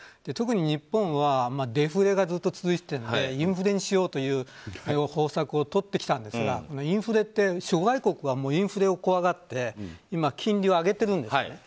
特に日本はデフレがずっと続いていてインフレにしようという方策をとってきたんですがインフレって諸外国がインフレを怖がって今、金利を上げているんです。